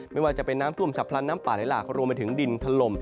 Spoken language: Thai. ไม่ว่าจะเป็นน้ำท่วมฉับพลันน้ำป่าไหลหลากรวมไปถึงดินถล่ม